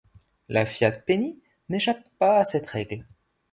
Le Fiat Penny n'échappe pas à cette règle.